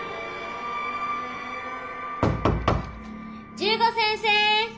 十五先生ェ。